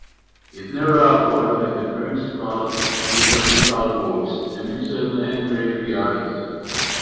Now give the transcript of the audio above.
It never occurs in the principal liturgical books, the missals and breviaries.